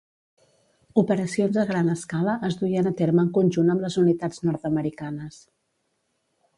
Operacions a gran escala es duien a terme en conjunt amb les unitats nord-americanes.